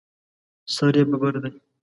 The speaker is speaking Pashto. سر یې ببر دی.